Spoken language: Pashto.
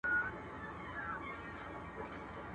o و گټه، پيل وخوره.